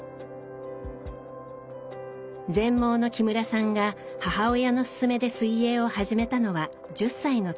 全盲の木村さんが母親の勧めで水泳を始めたのは１０歳の時。